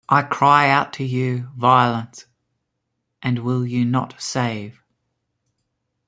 I cry out to you "Violence!" and will you not save?